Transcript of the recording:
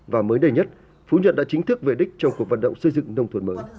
và mới đầy nhất phú nhận đã chính thức về đích trong cuộc vận động xây dựng nông thôn mới